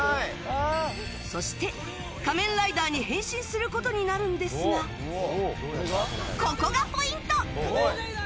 そして、仮面ライダーに変身することになるんですがここがポイント！